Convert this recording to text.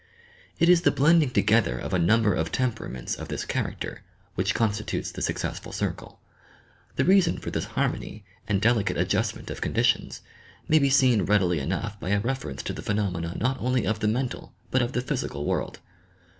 It is the blending together of a nuuiber of temperaments of this character which constitutes the successful circle. The ' reason for this harmony and delicate adjustment of con ditions may be seen readily enough by a reference to the phenomena not only of the mental but of the physical world.